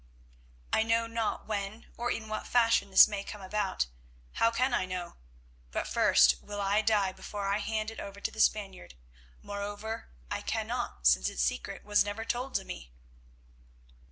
I know not when or in what fashion this may come about; how can I know? But first will I die before I hand it over to the Spaniard. Moreover, I cannot, since its secret was never told to me."